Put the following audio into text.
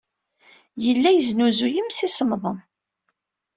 Yella yesnuzuy imsisemḍen.